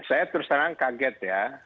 saya terus terang kaget ya